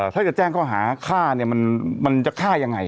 ถ้าจะแจ้งข้อหาฆ่าเนี่ยมันจะฆ่ายังไง